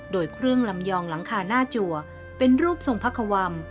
โดยเครื่องลำยองหลังคาหน้าจัวเป็นรูปทรงพระคว่ำ